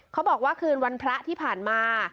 บอกว่าคืนวันพระที่ผ่านมา